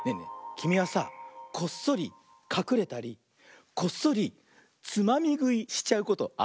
きみはさこっそりかくれたりこっそりつまみぐいしちゃうことあるかな。